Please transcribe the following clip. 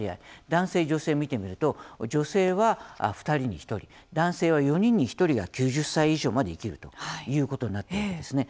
男性、女性見てみると女性は２人に１人男性は４人に１人が９０歳以上まで生きるということになっているんですね。